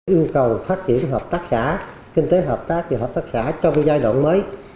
yêu cầu phát triển hợp tác xã kinh tế hợp tác và hợp tác xã trong giai đoạn mới